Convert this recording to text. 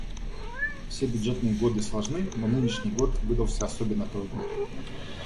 Все бюджетные годы сложны, но нынешний год выдался особенно трудным.